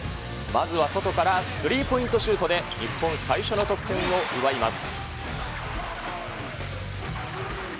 まずは外からスリーポイントシュートで、日本、最初の得点を奪います。